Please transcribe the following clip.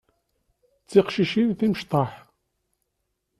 D tiqcicin timecṭaḥ.